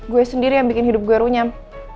gue sendiri yang bikin hidup gue runyam